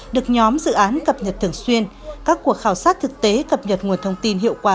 được nhóm dự án cập nhật thường xuyên các cuộc khảo sát thực tế cập nhật nguồn thông tin hiệu quả